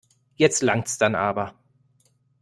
Jetzt langt's dann aber.